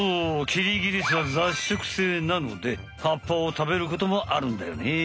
キリギリスは雑食性なので葉っぱをたべることもあるんだよね。